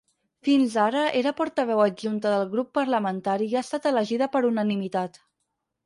Fins ara era portaveu adjunta del grup parlamentari i ha estat elegida per unanimitat.